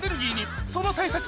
その対策とは？